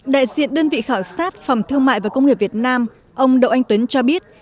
đại diện đơn vị khảo sát phòng thương mại và công nghiệp việt nam ông đậu anh tuấn cho biết